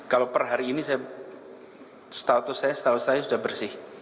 kalau per hari ini status saya sudah bersih